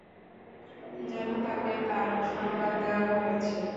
যেন তাকে তার সংবাদ দেয়া হয়েছে।